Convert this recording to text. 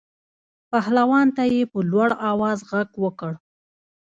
بهلول ته یې په لوړ آواز غږ وکړ.